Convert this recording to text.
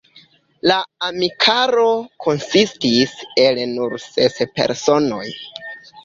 La amikaro konsistis el nur ses personoj.